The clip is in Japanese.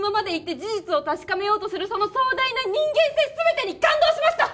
事実を確かめようとするその壮大な人間性全てに感動しました！